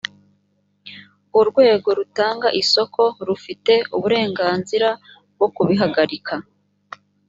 urwego rutanga isoko rufite uburenganzira bwo kubihagarika